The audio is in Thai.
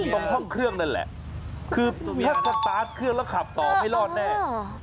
ตรงห้องเครื่องนั่นแหละคือแค่สตาร์ทเครื่องแล้วขับต่อไม่รอดแน่